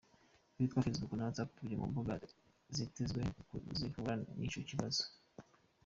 Twitter, Facebook na WatsApp biri mu mbuga vyitezwe ko zihura n'ico kibazo.